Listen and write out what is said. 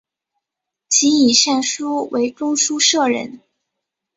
其以善书为中书舍人。